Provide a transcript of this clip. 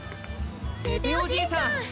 ペペおじいさん！